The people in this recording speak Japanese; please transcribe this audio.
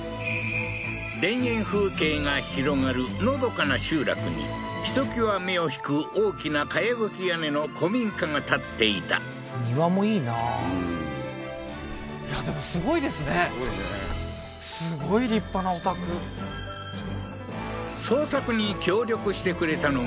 田園風景が広がるのどかな集落にひときわ目を引く大きな茅葺き屋根の古民家が建っていた庭もいいなうんすごいね捜索に協力してくれたのが